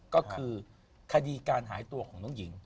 ก็คือคดีการหายตัวของน้องหญิง